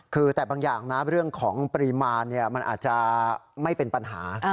คือแต่บางอย่างนะเรื่องของปริมาณมันอาจจะไม่เป็นปัญหา